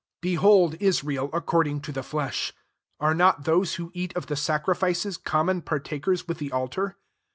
18 Behold Israel according to the flesh : are not those who eat of the sacrifices commoB partakers with the altar?